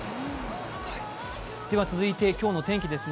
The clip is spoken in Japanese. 続いて、今日の天気です。